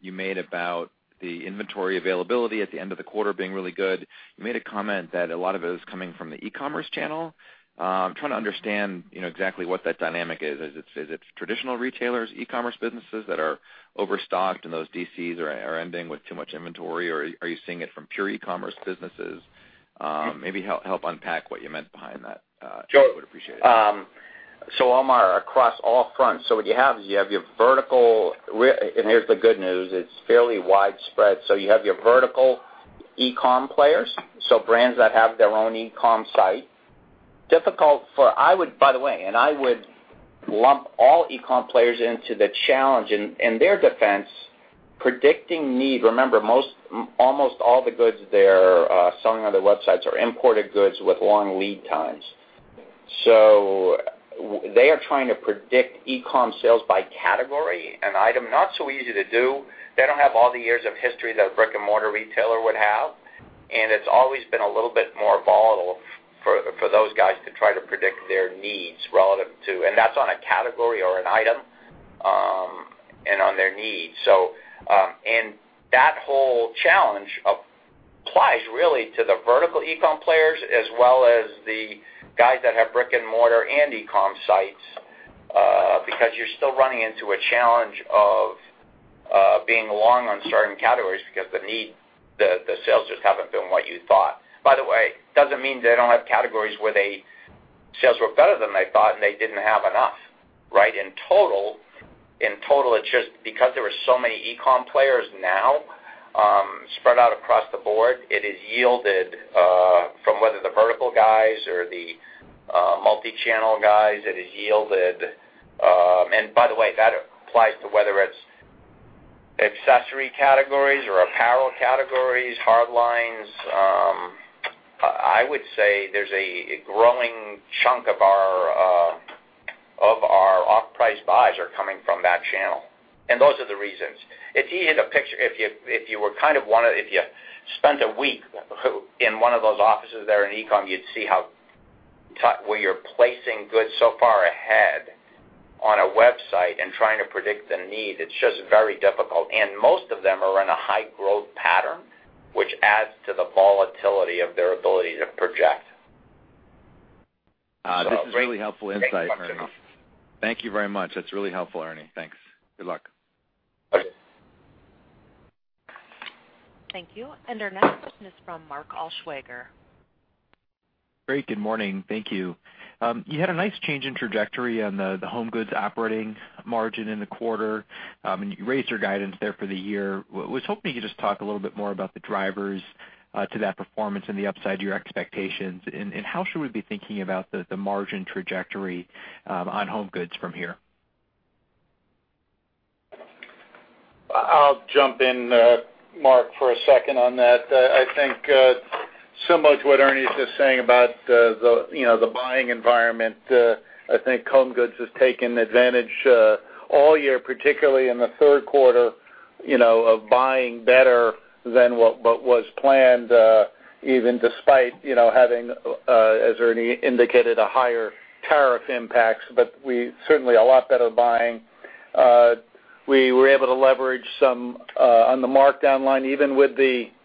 L: you made about the inventory availability at the end of the quarter being really good. You made a comment that a lot of it is coming from the e-commerce channel. I'm trying to understand exactly what that dynamic is. Is it traditional retailers, e-commerce businesses that are overstocked and those DCs are ending with too much inventory, or are you seeing it from pure e-commerce businesses? Maybe help unpack what you meant behind that. I would appreciate it.
B: Omar, across all fronts. What you have is you have your vertical, and here's the good news, it's fairly widespread. You have your vertical e-com players, so brands that have their own e-com site. By the way, I would lump all e-com players into the challenge. In their defense, predicting need, remember, almost all the goods they're selling on their websites are imported goods with long lead times. They are trying to predict e-com sales by category and item. Not so easy to do. They don't have all the years of history that a brick-and-mortar retailer would have, and it's always been a little bit more volatile for those guys to try to predict their needs relative to, and that's on a category or an item, and on their needs. That whole challenge applies really to the vertical e-com players as well as the guys that have brick-and-mortar and e-com sites, because you're still running into a challenge of being long on certain categories because the sales just haven't been what you thought. By the way, doesn't mean they don't have categories where the sales were better than they thought, and they didn't have enough. In total, it's just because there are so many e-com players now, spread out across the board, it has yielded, from whether the vertical guys or the multi-channel guys, by the way, that applies to whether it's accessory categories or apparel categories, hardlines. I would say there's a growing chunk of our off-price buys are coming from that channel, those are the reasons. If you spent a week in one of those offices there in e-com, you'd see where you're placing goods so far ahead on a website and trying to predict the need. It's just very difficult. Most of them are in a high growth pattern, which adds to the volatility of their ability to project.
L: This is really helpful insight, Ernie. Thank you very much. That's really helpful, Ernie. Thanks. Good luck.
B: Okay.
A: Thank you. Our next question is from Mark Altschwager.
M: Great. Good morning. Thank you. You had a nice change in trajectory on the HomeGoods operating margin in the quarter. You raised your guidance there for the year. I was hoping you could just talk a little bit more about the drivers to that performance and the upside to your expectations. How should we be thinking about the margin trajectory on HomeGoods from here?
D: I'll jump in, Mark, for a second on that. I think similar to what Ernie's just saying about the buying environment, I think HomeGoods has taken advantage all year, particularly in the third quarter, of buying better than what was planned, even despite having, as Ernie indicated, higher tariff impacts. Certainly a lot better buying. We were able to leverage some on the markdown line, even with the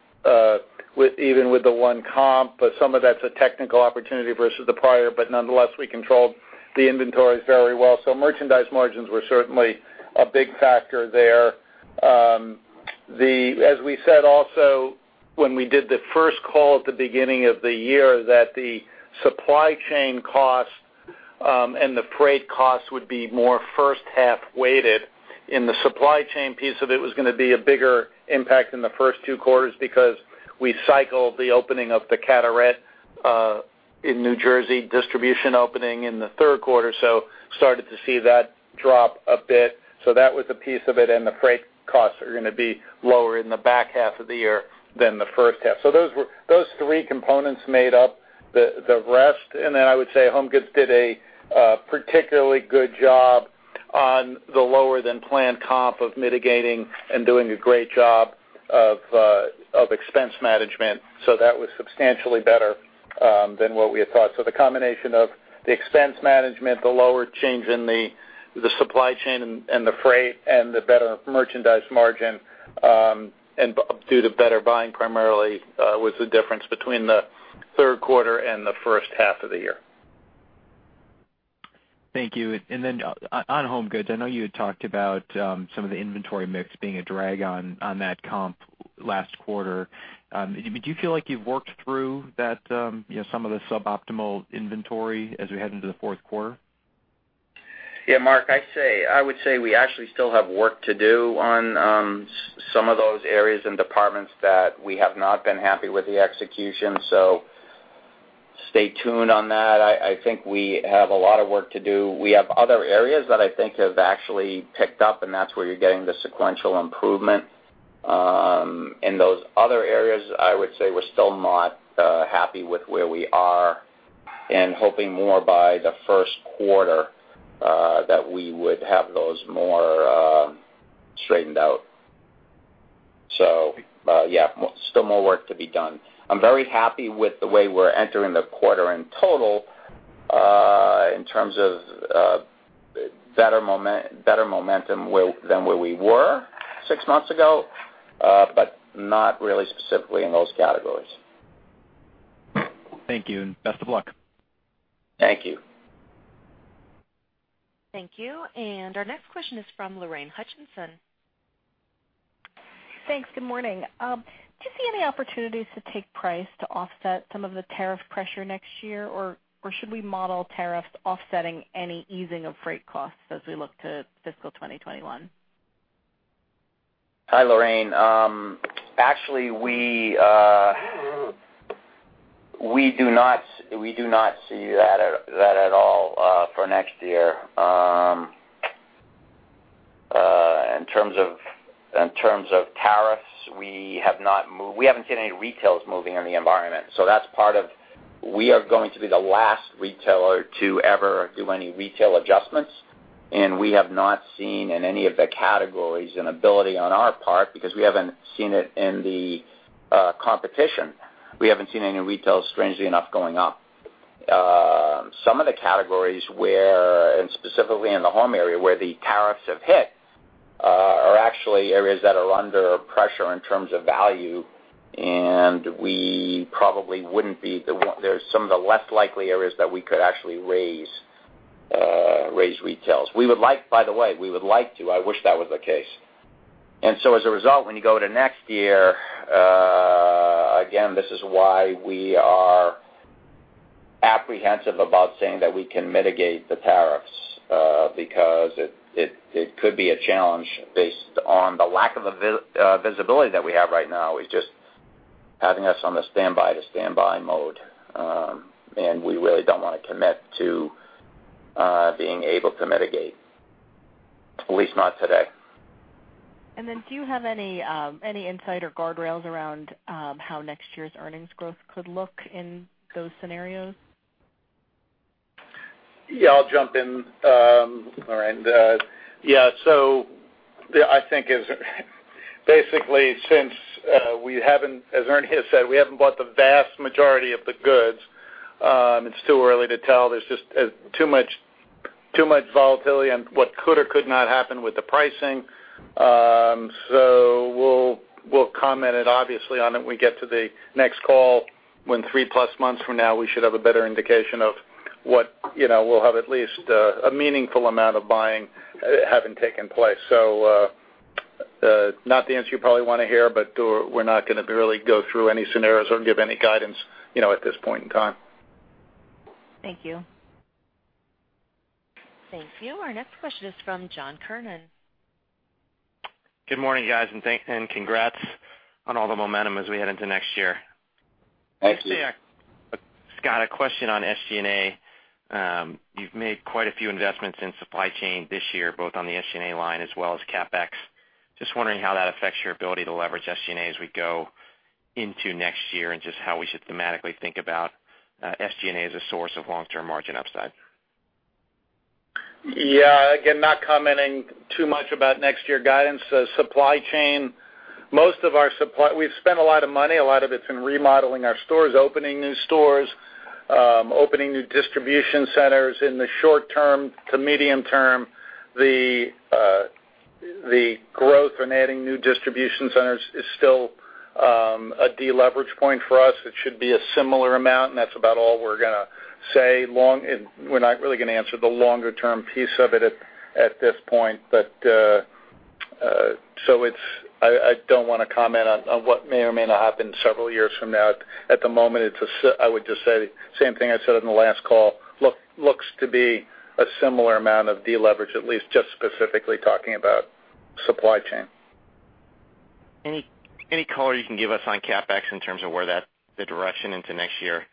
D: one comp. Some of that's a technical opportunity versus the prior, but nonetheless, we controlled the inventories very well. Merchandise margins were certainly a big factor there. As we said, also, when we did the first call at the beginning of the year, that the supply chain costs, and the freight costs would be more first half weighted. In the supply chain piece of it was going to be a bigger impact in the first two quarters because we cycled the opening of the Carteret in New Jersey distribution opening in the third quarter, so started to see that drop a bit. That was a piece of it, and the freight costs are going to be lower in the back half of the year than the first half. Those three components made up the rest. I would say HomeGoods did a particularly good job on the lower than planned comp of mitigating and doing a great job of expense management. That was substantially better than what we had thought. The combination of the expense management, the lower change in the supply chain and the freight, and the better merchandise margin, and due to better buying primarily, was the difference between the third quarter and the first half of the year.
M: Thank you. Then on HomeGoods, I know you had talked about some of the inventory mix being a drag on that comp last quarter. Do you feel like you've worked through some of the suboptimal inventory as we head into the fourth quarter?
B: Yeah, Mark, I would say we actually still have work to do on some of those areas and departments that we have not been happy with the execution. Stay tuned on that. I think we have a lot of work to do. We have other areas that I think have actually picked up, and that's where you're getting the sequential improvement. In those other areas, I would say we're still not happy with where we are, and hoping more by the first quarter that we would have those more straightened out. Yeah, still more work to be done. I'm very happy with the way we're entering the quarter in total, in terms of better momentum than where we were six months ago, not really specifically in those categories.
M: Thank you, and best of luck.
B: Thank you.
A: Thank you. Our next question is from Lorraine Hutchinson.
N: Thanks. Good morning. Do you see any opportunities to take price to offset some of the tariff pressure next year? Or should we model tariffs offsetting any easing of freight costs as we look to fiscal 2021?
B: Hi, Lorraine. Actually, we do not see that at all for next year. In terms of tariffs, we haven't seen any retails moving in the environment. We are going to be the last retailer to ever do any retail adjustments, and we have not seen in any of the categories an ability on our part, because we haven't seen it in the competition. We haven't seen any retails, strangely enough, going up. Some of the categories where, and specifically in the home area, where the tariffs have hit, are actually areas that are under pressure in terms of value, and they're some of the less likely areas that we could actually raise retails. By the way, we would like to. I wish that was the case. As a result, when you go to next year, again, this is why we are apprehensive about saying that we can mitigate the tariffs, because it could be a challenge based on the lack of visibility that we have right now. It's just having us on the standby-to-standby mode. We really don't want to commit to being able to mitigate, at least not today.
N: Do you have any insight or guardrails around how next year's earnings growth could look in those scenarios?
D: Yeah, I'll jump in, Lorraine. Yeah. I think basically, since, as Ernie has said, we haven't bought the vast majority of the goods, it's too early to tell. There's just too much volatility in what could or could not happen with the pricing. We'll comment obviously on it when we get to the next call, when three-plus months from now we should have a better indication of what we'll have at least a meaningful amount of buying having taken place. Not the answer you probably want to hear, but we're not going to really go through any scenarios or give any guidance at this point in time.
O: Thank you.
A: Thank you. Our next question is from John Kernan.
P: Good morning, guys, and congrats on all the momentum as we head into next year.
B: Thank you.
P: Scott, a question on SG&A. You've made quite a few investments in supply chain this year, both on the SG&A line as well as CapEx. Just wondering how that affects your ability to leverage SG&A as we go into next year and just how we should thematically think about SG&A as a source of long-term margin upside.
D: Again, not commenting too much about next year guidance. Supply chain, we've spent a lot of money. A lot of it's in remodeling our stores, opening new stores, opening new distribution centers. In the short term to medium term, the growth in adding new distribution centers is still a deleverage point for us. It should be a similar amount, and that's about all we're gonna say. We're not really gonna answer the longer-term piece of it at this point. I don't want to comment on what may or may not happen several years from now. At the moment, I would just say, same thing I said on the last call, looks to be a similar amount of deleverage, at least just specifically talking about supply chain.
Q: Any color you can give us on CapEx in terms of where the direction into next year?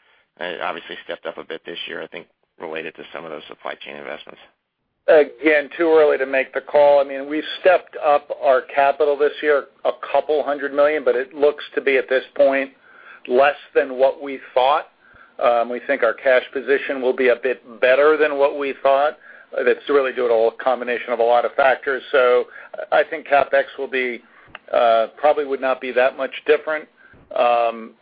Q: Obviously stepped up a bit this year, I think related to some of those supply chain investments.
D: Again, too early to make the call. We've stepped up our capital this year $200 million, but it looks to be, at this point, less than what we thought. We think our cash position will be a bit better than what we thought. That's really due to a combination of a lot of factors. I think CapEx probably would not be that much different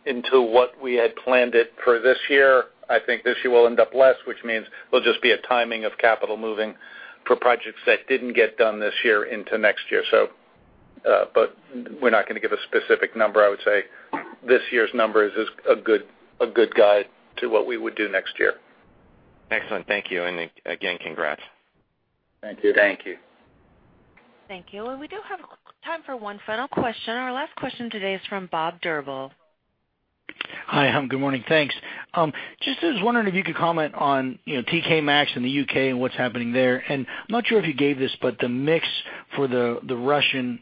D: into what we had planned it for this year. I think this year will end up less, which means it'll just be a timing of capital moving for projects that didn't get done this year into next year. We're not gonna give a specific number. I would say this year's number is a good guide to what we would do next year.
P: Excellent. Thank you. Again, congrats.
B: Thank you.
D: Thank you.
A: Thank you. Well, we do have time for one final question. Our last question today is from Bob Drbul.
R: Hi, good morning. Thanks. Just was wondering if you could comment on TK Maxx in the U.K. and what's happening there. I'm not sure if you gave this, but the mix for the Russian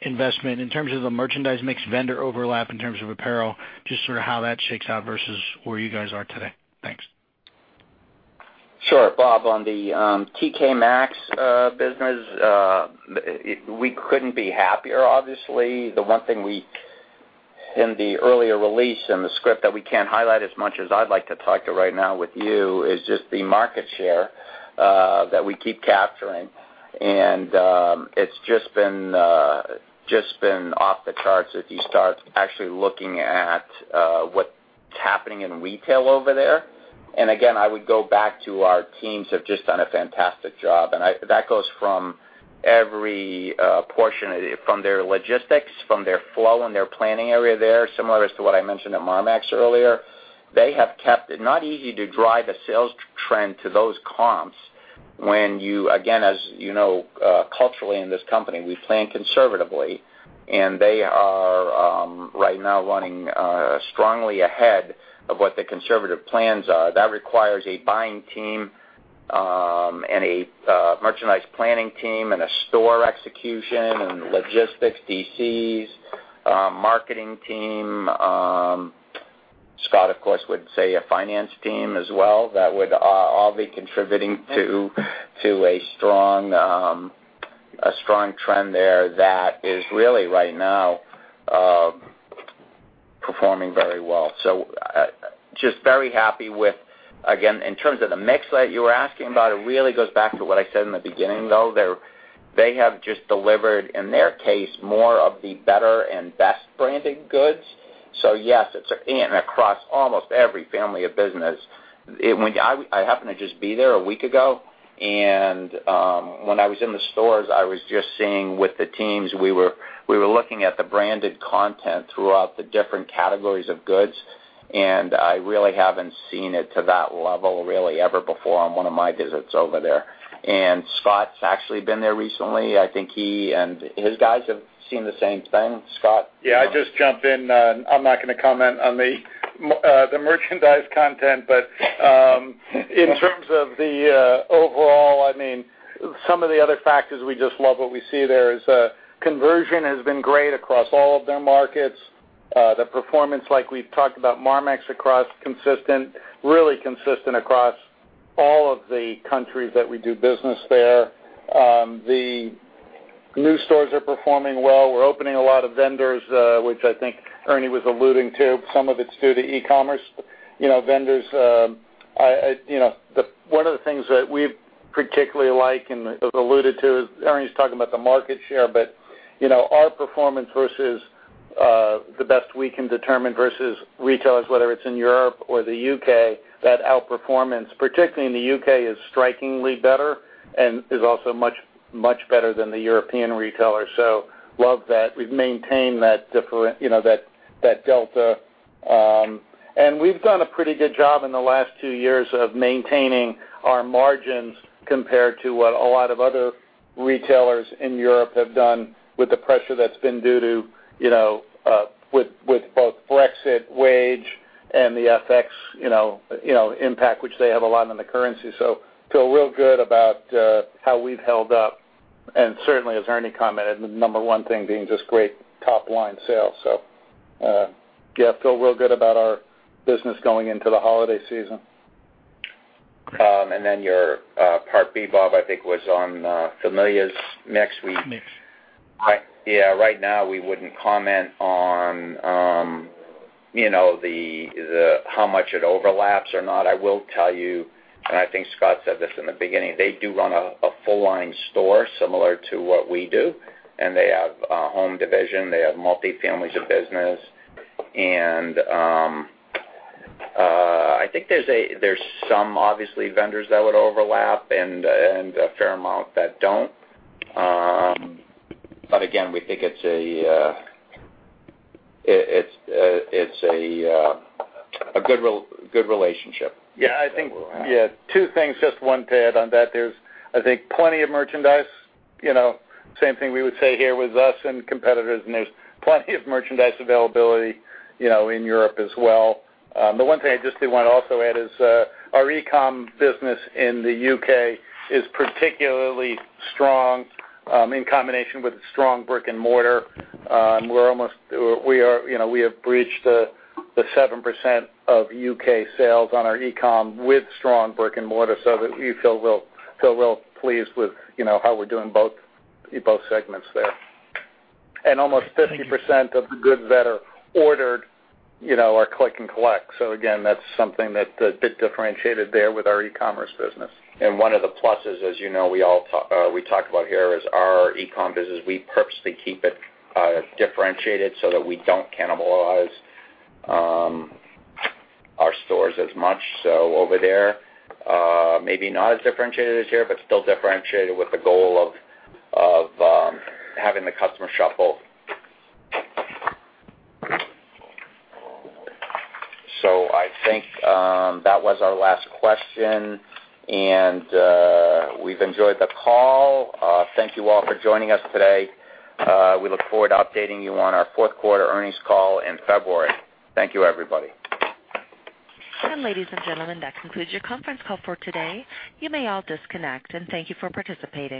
R: investment in terms of the merchandise mix vendor overlap in terms of apparel, just sort of how that shakes out versus where you guys are today. Thanks.
B: Sure, Bob, on the TK Maxx business, we couldn't be happier, obviously. The one thing we, in the earlier release, in the script that we can't highlight as much as I'd like to talk right now with you, is just the market share that we keep capturing. It's just been off the charts as you start actually looking at what's happening in retail over there. Again, I would go back to our teams have just done a fantastic job, and that goes from every portion, from their logistics, from their flow and their planning area there, similar as to what I mentioned at Marmaxx earlier. It's not easy to drive a sales trend to those comps when you, again, as you know culturally in this company, we plan conservatively, and they are right now running strongly ahead of what the conservative plans are. That requires a buying team, and a merchandise planning team, and a store execution and logistics DCs, marketing team. Scott, of course, would say a finance team as well. That would all be contributing to a strong trend there that is really right now, performing very well. Just very happy with, again, in terms of the mix that you were asking about, it really goes back to what I said in the beginning, though. They have just delivered, in their case, more of the better and best branded goods. Yes, and across almost every family of business. I happened to just be there a week ago, when I was in the stores, I was just seeing with the teams, we were looking at the branded content throughout the different categories of goods, and I really haven't seen it to that level really ever before on one of my visits over there. Scott's actually been there recently. I think he and his guys have seen the same thing. Scott?
D: Yeah, I'll just jump in. I'm not gonna comment on the merchandise content, in terms of the overall, some of the other factors, we just love what we see there is conversion has been great across all of their markets. The performance, like we've talked about Marmaxx, across really consistent across all of the countries that we do business there. The new stores are performing well. We're opening a lot of vendors, which I think Ernie was alluding to. Some of it's due to e-commerce vendors. One of the things that we particularly like and have alluded to is, Ernie's talking about the market share, our performance versus the best we can determine versus retailers, whether it's in Europe or the U.K., that outperformance, particularly in the U.K., is strikingly better and is also much better than the European retailers. Love that. We've maintained that delta. We've done a pretty good job in the last two years of maintaining our margins compared to what a lot of other retailers in Europe have done with the pressure that's been due to, with both Brexit, wage, and the FX impact, which they have a lot in the currency. Feel real good about how we've held up and certainly, as Ernie commented, the number one thing being just great top-line sales. Yeah, feel real good about our business going into the holiday season.
B: Your part B, Bob, I think, was on Familia's mix.
D: Mix.
B: Yeah. Right now, we wouldn't comment on how much it overlaps or not. I will tell you, and I think Scott said this in the beginning, they do run a full-line store similar to what we do, and they have a home division. They have multi families of business, and I think there's some obviously vendors that would overlap and a fair amount that don't. Again, we think it's a good relationship.
D: Yeah. Two things, just one to add on that. There's plenty of merchandise, same thing we would say here with us and competitors, and there's plenty of merchandise availability in Europe as well. The one thing I just do want to also add is our e-com business in the U.K. is particularly strong in combination with strong brick and mortar. We have breached the 7% of U.K. sales on our e-com with strong brick and mortar, so that we feel real pleased with how we're doing in both segments there. Almost 50% of the goods that are ordered are click and collect. Again, that's something that differentiated there with our e-commerce business.
B: One of the pluses, as you know, we talk about here, is our e-com business. We purposely keep it differentiated so that we don't cannibalize our stores as much. Over there, maybe not as differentiated as here, but still differentiated with the goal of having the customer shop both. I think that was our last question, and we've enjoyed the call. Thank you all for joining us today. We look forward to updating you on our fourth quarter earnings call in February. Thank you, everybody.
A: Ladies and gentlemen, that concludes your conference call for today. You may all disconnect. Thank you for participating.